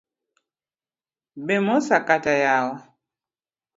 Bemosa kata yawa.